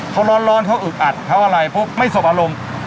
เขาร้อนเขาอึดอัดเขาอะไรเพราะไม่สบอารมณ์